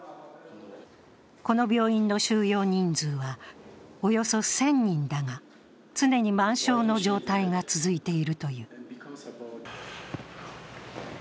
この病院の収容人数はおよそ１０００人だが、常に満床の状態が続いているという。